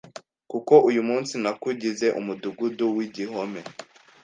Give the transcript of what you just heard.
kuko uyu munsi nakugize umudugudu w’igihome,